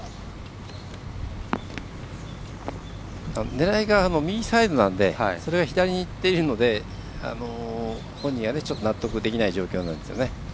狙いが右サイドなのでそれが左にいってるので本人はちょっと納得できない状況なんですよね。